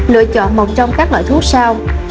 lựa chọn một trong các loại thuốc sau